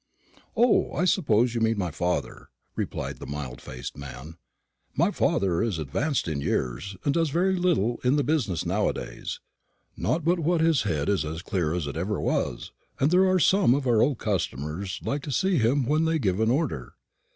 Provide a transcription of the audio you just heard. "O, I suppose you mean my father," replied the mild faced man. "My father is advanced in years, and does very little in the business nowadays; not but what his head is as clear as ever it was, and there are some of our old customers like to see him when they give an order."